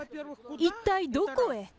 一体どこへ？